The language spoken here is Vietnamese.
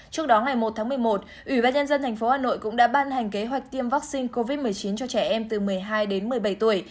trước đó ngày một tháng một mươi một ủy ban nhân dân tp hà nội cũng đã ban hành kế hoạch tiêm vaccine covid một mươi chín cho trẻ em từ một mươi hai đến một mươi bảy tuổi